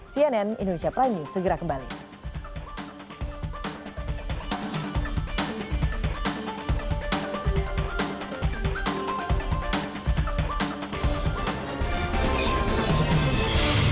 cnn indonesia prime news segera kembali